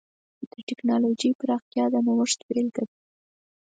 د ټکنالوجۍ پراختیا د نوښت بېلګه ده.